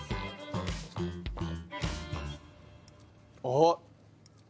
あっ。